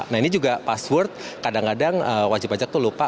nah ini juga password kadang kadang wajib pajak itu lupa